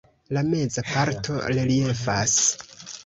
La meza parto reliefas.